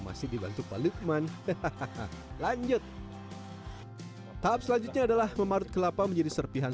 masih dibantu pak lukman hahaha lanjut tahap selanjutnya adalah memarut kelapa menjadi serpihan